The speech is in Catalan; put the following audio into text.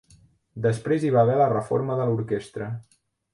Després hi havia la reforma de l'orquestra.